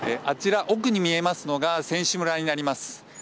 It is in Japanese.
あちら奥に見えますのが選手村になります。